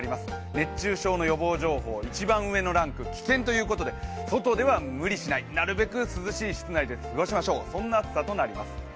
熱中症予防情報、一番上の危険ということで外では無理しない、なるべく涼しい室内で過ごしましょう、そんな暑さとなります。